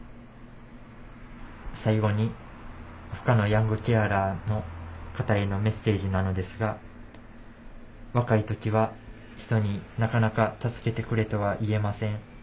最後に他のヤングケアラーの方へのメッセージなのですが若い時は人になかなか助けてくれとは言えません。